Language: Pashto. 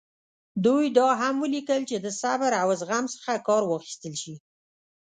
دوی دا هم ولیکل چې د صبر او زغم څخه کار واخیستل شي.